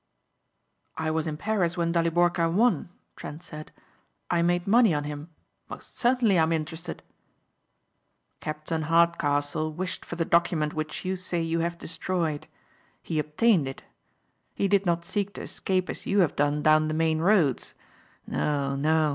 "I was in Paris when Daliborka won," Trent said. "I made money on him. Most certainly I'm interested." "Captain Hardcastle wished for the document which you say you have destroyed. He obtained it. He did not seek to escape as you have done down the main roads. No. No.